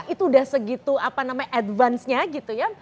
itu udah segitu advance nya gitu ya